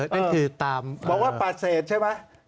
นั่นคือตามบอกว่าปฏิเสธใช่ไหม